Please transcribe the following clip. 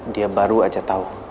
dia baru aja tau